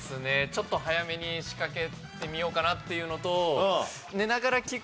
ちょっと早めに仕掛けてみようかなっていうのと。